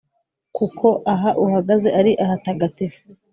kuko aha uhagaze ari ahatagatifu